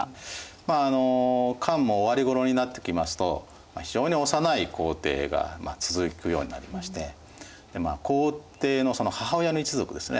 まあ漢も終わりごろになってきますと非常に幼い皇帝が続くようになりまして皇帝のその母親の一族ですね